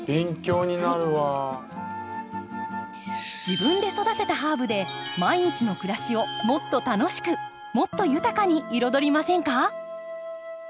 自分で育てたハーブで毎日の暮らしをもっと楽しくもっと豊かに彩りませんか。